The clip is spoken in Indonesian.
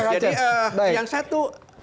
jadi yang satu